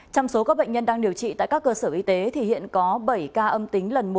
trong số các bệnh nhân đang điều trị tại các cơ sở y tế thì hiện có bảy ca âm tính lần một